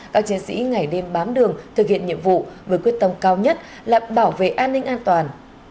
cảnh đêm bám đường thực hiện nhiệm vụ với quyết tâm cao nhất là bảo vệ an ninh an toàn